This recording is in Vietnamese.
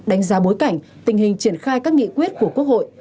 đánh giá bối cảnh tình hình triển khai các nghị quyết của quốc hội